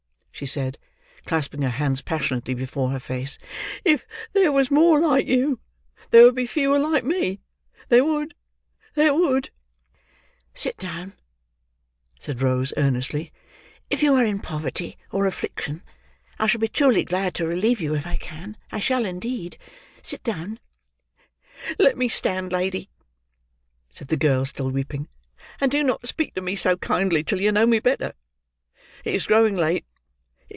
she said, clasping her hands passionately before her face, "if there was more like you, there would be fewer like me,—there would—there would!" "Sit down," said Rose, earnestly. "If you are in poverty or affliction I shall be truly glad to relieve you if I can,—I shall indeed. Sit down." "Let me stand, lady," said the girl, still weeping, "and do not speak to me so kindly till you know me better. It is growing late.